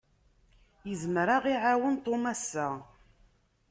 Yezmer ad ɣ-iwawen Tom ass-a.